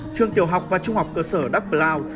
trường tiểu học và trung học cơ sở đắk plao